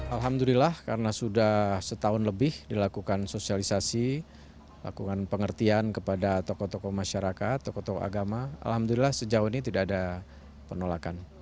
alhamdulillah karena sudah setahun lebih dilakukan sosialisasi lakukan pengertian kepada tokoh tokoh masyarakat tokoh tokoh agama alhamdulillah sejauh ini tidak ada penolakan